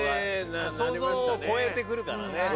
想像を超えてくるからね。